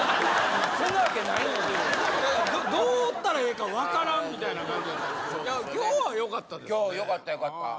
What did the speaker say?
そんな訳ないのにどうおったらええか分からんみたいな感じやった今日はよかったですね